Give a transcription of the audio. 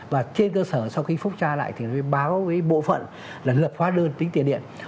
và trên cơ sở sau khi phục tra lại thì báo với bộ phận là lực hóa đơn tính tiền điện